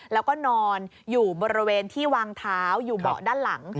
แล้วก็นอนอยู่บริเวณที่วางเท้าอยู่เบาะด้านหลัง